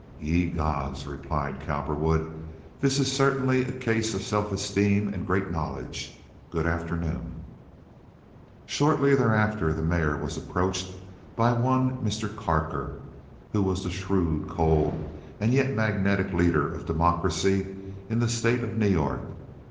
"Ye gods!" replied Cowperwood. "This is certainly a case of self esteem and great knowledge. Good afternoon." Shortly thereafter the mayor was approached by one Mr. Carker, who was the shrewd, cold, and yet magnetic leader of Democracy in the state of New York.